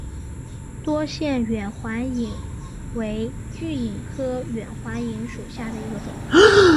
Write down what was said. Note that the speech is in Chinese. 多腺远环蚓为巨蚓科远环蚓属下的一个种。